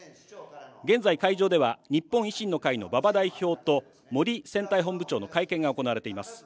現在、会場では、日本維新の会の馬場代表ともり選対本部長の会見が行われています。